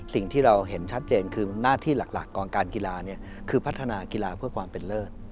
สิ่งที่เราเห็นชัดเจนคือหน้าที่หลักกองการกีฬาคือพัฒนากีฬาเพื่อความเป็นเลิศ